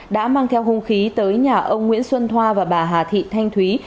đã mang theo hung khí tới nhà ông nguyễn xuân thoa và bà hà thị thanh thúy